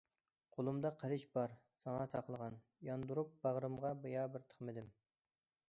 قولۇمدا قىلىچ بار ساڭا ساقلىغان، ياندۇرۇپ باغرىمغا يا بىر تىقمىدىم.